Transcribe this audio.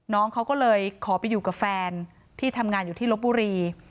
น้องเขาก็เลยขอไปอยู่กับแฟนที่ทำงานอยู่ที่ลบบุรี